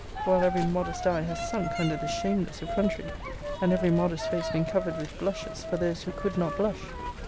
while every modest eye has sunk under the shameless effrontery, and every modest face been covered with blushes for those who could not blush.